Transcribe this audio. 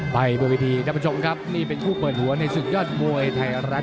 ไปบนวิธีท่านผู้ชมครับนี่เป็นคู่เปิดหัวในศึกยอดมวยไทยรัฐ